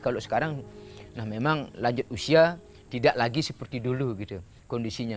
kalau sekarang nah memang lanjut usia tidak lagi seperti dulu gitu kondisinya